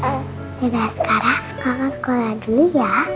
ya udah sekarang kakak sekolah dulu ya